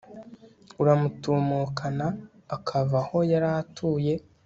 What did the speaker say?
uramutumukana akava aho yari atuye